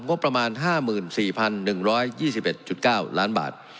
งบประมาณ๕๔๑๒๑๙ล้านบาท